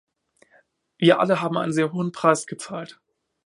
Wir alle haben einen sehr hohen Preis gezahlt.